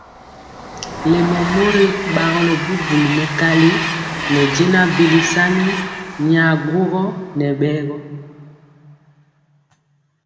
Lémɔ mori bagɔlɔ bubuli mɛkali nɛ jɛnaŋ bili sani nyaŋ gugɔ nɛ bɛɛgɔ.